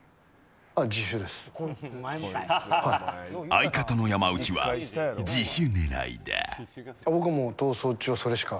相方の山内は、自首狙いだ。